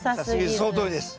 そのとおりです。